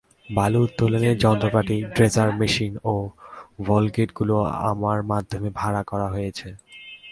বালু উত্তোলনের যন্ত্রপাতি ড্রেজার মেশিন ও ভলগেটগুলো আমার মাধ্যমে ভাড়া করা হয়েছে।